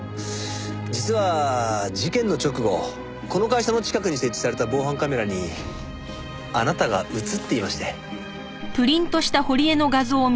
実は事件の直後この会社の近くに設置された防犯カメラにあなたが映っていまして。